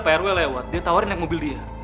pak rw lewat dia tawarin yang mobil dia